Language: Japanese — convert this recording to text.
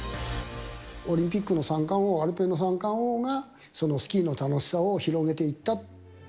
オリンピックの三冠王、アルペンの三冠王がスキーの楽しさを広めていったと。